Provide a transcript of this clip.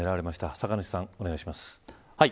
酒主さん、お願いします。